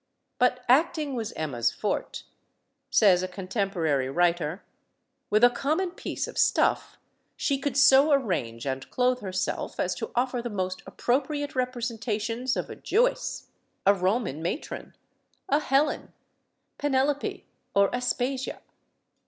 But acting was Emma's forte. Says a contemporary writer: With a common piece of stuff she could so arrange and clothe herself as to offer the most appropriate representations of a Jewess, a Roman matron, a Helen, Penelope, or Aspasia.